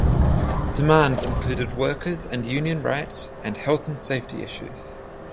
Demands included workers and union rights and health and safety issues.